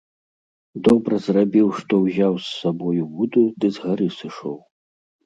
Добра зрабіў, што ўзяў з сабою вуду ды з гары сышоў.